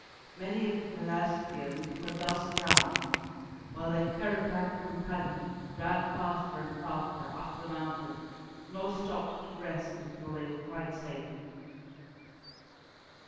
Many of the Pelasgians were thus drowned, while their terrified companions ran faster and faster up the mountain, nor stopped to rest until they were quite safe.